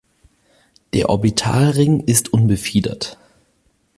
Der Orbitalring ist unbefiedert.